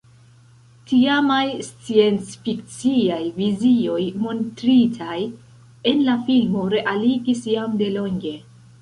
Tiamaj sciencfikciaj vizioj montritaj en la filmo realigis jam delonge.